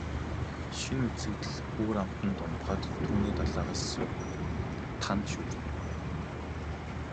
Шинэ үзэгдэл өөр амтанд умбахад түүний далайгаас сувд, тана шүүрдэнэ.